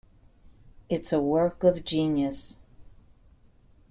It's a work of genius.